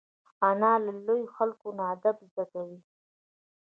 انا له لویو خلکو نه ادب زده کوي